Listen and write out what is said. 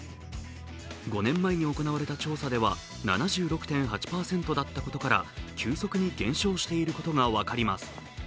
５年前に行われた調査では７６．８％だったことから、急速に減少していることが分かります。